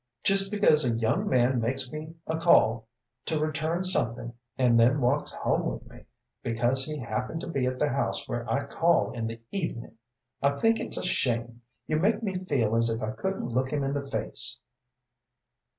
Just because a young man makes me a call to return something, and then walks home with me, because he happened to be at the house where I call in the evening! I think it's a shame. You make me feel as if I couldn't look him in the face."